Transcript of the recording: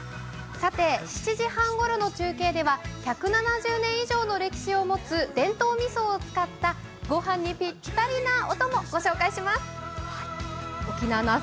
さて７時半ごろの中継では１７０年以上の歴史を持つ伝統みそを使った、ごはんにぴったりなお供、ご紹介します。